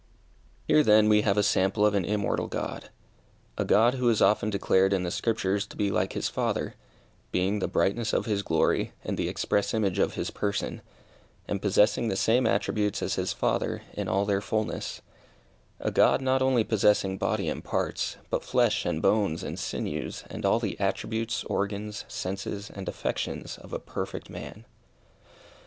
Here, then, we have a sample of an immortal God a God who is often declared in the Scriptures to be like his father, "being the brightness of his glory, and the express image of his person," and possessing the same attributes as his Father, in all their fulness; a God not only possessing body and parts, but flesh and bones, and sinews, and all the attributes, organs, senses, and affections of a perfect man.